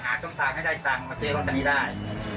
หาช่องทางให้ได้สั่งมาเจอรถคันนี้ได้